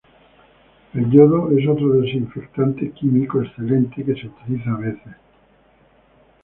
El yodo es otro desinfectante químico excelente que se utiliza a veces.